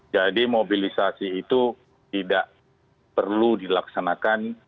jadi mobilisasi itu tidak perlu dilaksanakan